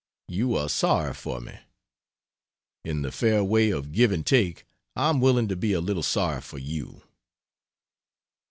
You are sorry for me; in the fair way of give and take, I am willing to be a little sorry for you.